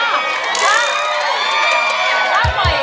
เหรอ